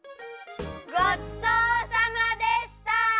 ごちそうさまでした！